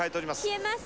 冷えます。